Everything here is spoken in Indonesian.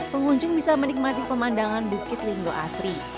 pengunjung bisa menikmati pemandangan bukit linggo asri